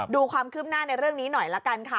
ดูความคืบหน้าในเรื่องนี้หน่อยละกันค่ะ